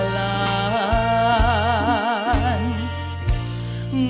ไม่ใช้